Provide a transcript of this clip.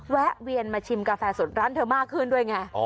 แวะเวียนมาชิมกาแฟสดร้านเธอมากขึ้นด้วยไง